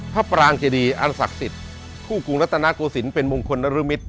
พระปรางเจดีอันศักดิ์สิทธิ์คู่กรุงรัฐนาโกศิลป์เป็นมงคลนรมิตร